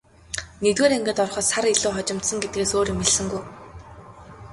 Нэгдүгээр ангид ороход сар илүү хожимдсон гэдгээс өөр юм хэлсэнгүй.